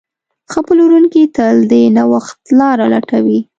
ښه پلورونکی تل د نوښت لاره لټوي.